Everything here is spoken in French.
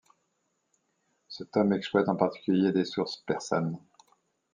Ce tome exploite en particulier des sources persanes.